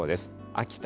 秋田